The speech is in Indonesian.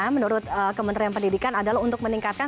menurut kementerian pendidikan adalah untuk meningkatkan